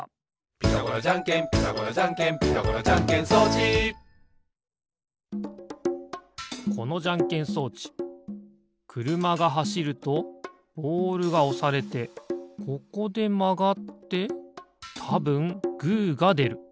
「ピタゴラじゃんけんピタゴラじゃんけん」「ピタゴラじゃんけん装置」このじゃんけん装置くるまがはしるとボールがおされてここでまがってたぶんグーがでる。